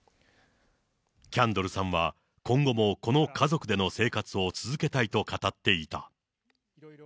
キャンドルさんは今後もこの家族での生活を続けたいと語っていた。